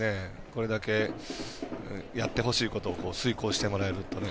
これだけ、やってほしいことを遂行してもらえるとね。